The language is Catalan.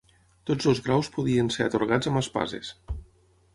Tots els graus podien ser atorgats amb Espases.